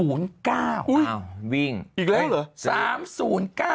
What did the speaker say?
อุ้ยวิ่งอีกแล้วหรอ